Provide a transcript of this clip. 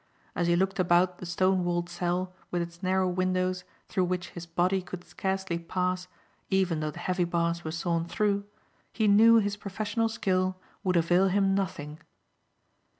As he looked about the stone walled cell with its narrow windows through which his body could scarcely pass even though the heavy bars were sawn through, he knew his professional skill would avail him nothing.